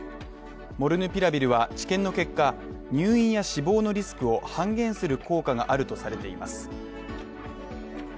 モルヌピラビルは治験の結果、入院や死亡のリスクを半減する効果があるとされています。